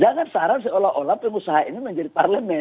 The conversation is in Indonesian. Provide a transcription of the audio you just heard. jangan saran seolah olah pengusaha ini menjadi parlemen